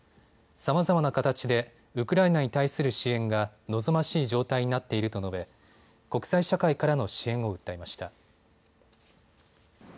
さまざまな形でウクライナに対する支援が望ましい状態になっていると述べ、国際社会からの支援を訴えました。